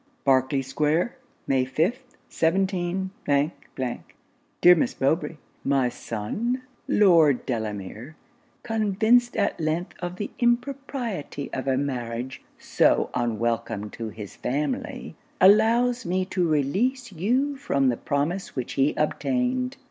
_Berkley Square, May 5, 17 _ 'Dear Miss Mowbray, 'My son, Lord Delamere, convinced at length of the impropriety of a marriage so unwelcome to his family, allows me to release you from the promise which he obtained.